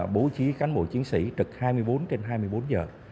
bố trí cán bộ chiến sĩ trực hai mươi bốn trên hai mươi bốn giờ